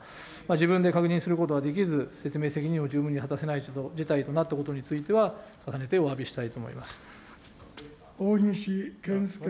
自分で確認することはできず説明責任を十分に果たせない事態となったことは、重ねておわびしたい大西健介君。